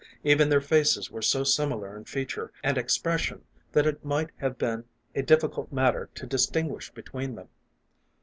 Even their faces were so similar in feature and expression that it might have been a difficult matter to distinguish between them.